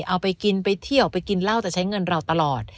เอาไปกินไปเที่ยวไปกินเหล้าแต่ใช้เงินเราตลอด